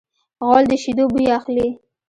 غول د شیدو بوی اخلي.